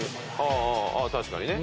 ああ確かにね。